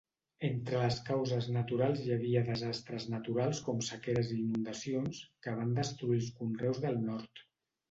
Entre les causes naturals hi havia desastres naturals com sequeres i inundacions que van destruir els conreus del nord.